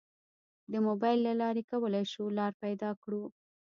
د موبایل له لارې کولی شو لار پیدا کړو.